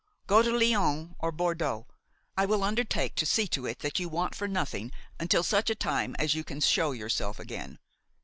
Go to Lyon or Bordeaux; I will undertake to see to it that you want for nothing until such time as you can show yourself again.